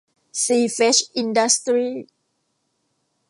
ซีเฟรชอินดัสตรี